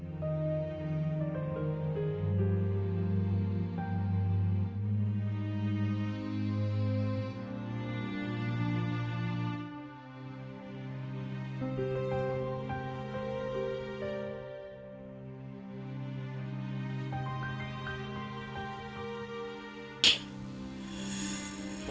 รักหนูฉันดีครับ